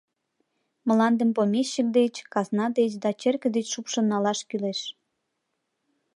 Мландым помещик деч, казна деч да черке деч шупшын налаш кӱлеш!